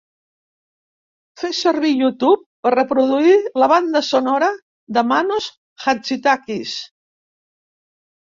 Fes servir Youtube per reproduir la banda sonora de Mános Hadzidákis.